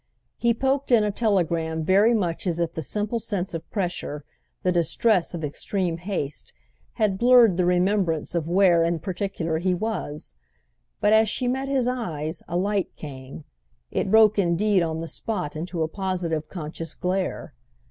He poked in a telegram very much as if the simple sense of pressure, the distress of extreme haste, had blurred the remembrance of where in particular he was. But as she met his eyes a light came; it broke indeed on the spot into a positive conscious glare.